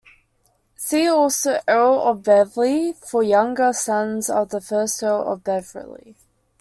See also Earl of Beverley for younger sons of the first Earl of Beverley.